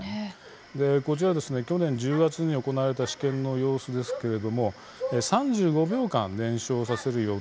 こちら、去年１０月に行われた試験の様子ですけれども３５秒間、燃焼させる予定でした。